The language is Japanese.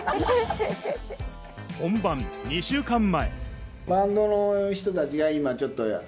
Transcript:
本番２週間前。